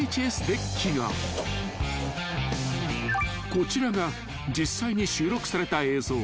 ［こちらが実際に収録された映像］